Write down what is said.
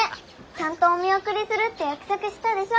ちゃんとお見送りするって約束したでしょ？